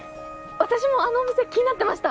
私もあの店気になってました！